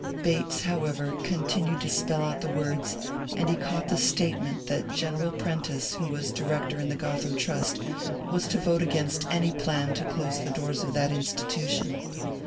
Bates, however, continued to spell out the words; and he caught the statement that General Prentice, who was a director in the Gotham Trust, was to vote against any plan to close the doors of that institution.